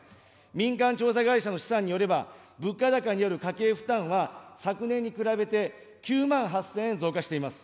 民間調査会社の試算によれば、物価高による家計負担は、昨年に比べて９万８０００円増加しています。